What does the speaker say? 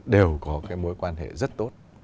đều có cái mối quan hệ rất tốt